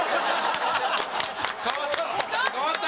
変わった？